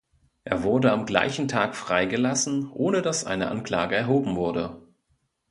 Er wurde am gleichen Tag freigelassen, ohne dass eine Anklage erhoben wurde.